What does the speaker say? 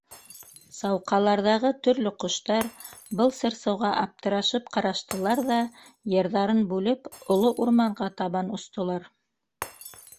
Сауҡаларҙағы төрлө ҡоштар, был сырсыуға аптырашып ҡараштылар ҙа, йырҙарын бүлеп, оло урманға табан остолар.